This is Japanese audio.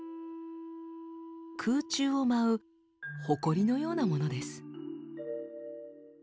空中を舞うほこりのようなものです。